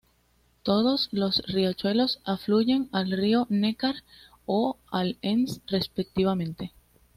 Todos los riachuelos afluyen al Río Neckar o al Enz, respectivamente.